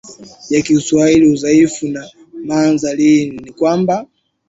ya Kiswahili udhaifu wa nadharia hii ni kwamba